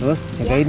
terus jagain ya